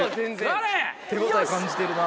座れ‼手応え感じてるな。